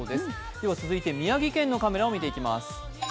では続いて宮城県のカメラを見ていきます。